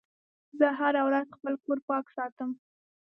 زه هره ورځ خپل کور پاک ساتم.